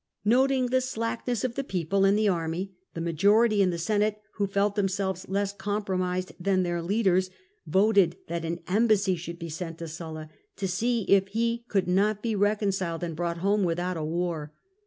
Noting the slackness of the people and the army, the majority in the Senate, who felt themselves less compro mised than their leaders, voted that an embassy should be sent to Sulla, to see if he could not be reconciled and brought home without a war.